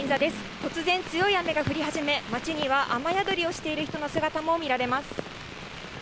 突然、強い雨が降り始め、街には雨宿りをしている人の姿も見られます。